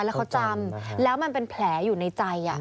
แล้วเขาจำแล้วมันเป็นแผลอยู่ในใจ